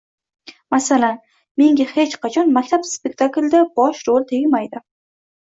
Masalan, “Menga hech qachon maktab spektaklida bosh rol tegmaydi”